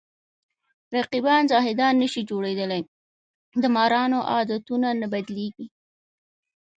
رقیبان زاهدان نشي جوړېدلی د مارانو عادتونه نه بدلېږي